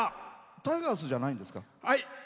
タイガースじゃないんですか？